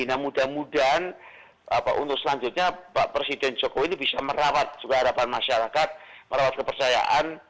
nah mudah mudahan untuk selanjutnya pak presiden jokowi ini bisa merawat juga harapan masyarakat merawat kepercayaan